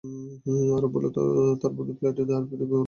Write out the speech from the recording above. আরো বলল তার বন্ধু ফ্ল্যাটে নেই, আর ফিরবেও রাতে।